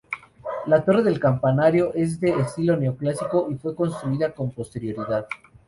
La torre del campanario es de estilo neoclásico y fue construida con posterioridad.